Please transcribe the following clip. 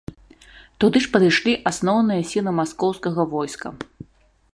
Туды ж падышлі асноўныя сілы маскоўскага войска.